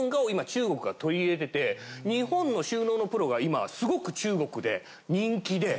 日本の収納のプロが今すごく中国で人気で。